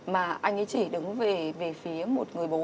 mà anh ấy chỉ đứng về phía một người bố